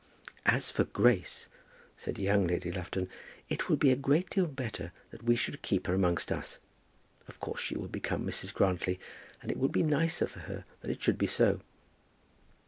"As for Grace," said young Lady Lufton, "it will be a great deal better that we should keep her amongst us. Of course she will become Mrs. Grantly, and it will be nicer for her that it should be so."